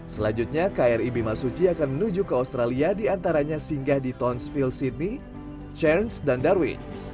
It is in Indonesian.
selanjutnya krib masuci akan menuju ke australia diantaranya singgah di townsville sydney cairns dan darwin